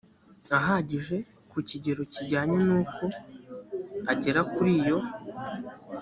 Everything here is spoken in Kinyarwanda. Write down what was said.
ahagije ku kigero kijyanye n uko agera kuri iyo